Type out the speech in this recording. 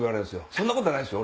そんなことはないっすよ